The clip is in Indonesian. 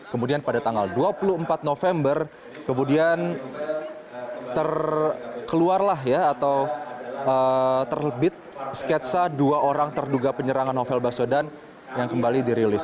kemudian pada tanggal dua puluh empat november kemudian terkeluarlah ya atau terlebit sketsa dua orang terduga penyerangan novel baswedan yang kembali dirilis